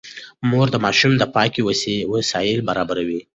مور د ماشوم د پاکۍ وسايل برابروي.